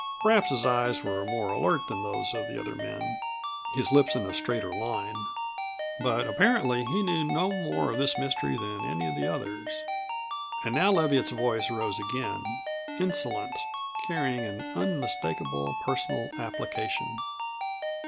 Perhaps his eyes were more alert than those of the other men, his lips in a straighter line. But apparently he knew no more of this mystery than any of the others. And now Leviatt's voice rose again, insolent, carrying an unmistakable personal application.